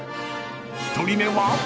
［１人目は］